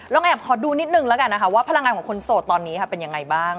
แอบขอดูนิดนึงแล้วกันนะคะว่าพลังงานของคนโสดตอนนี้ค่ะเป็นยังไงบ้าง